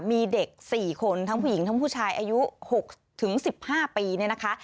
มีเด็ก๔คนทั้งผู้หญิงทั้งผู้ชายอายุ๖๑๕ปีเนี่ยนะคะ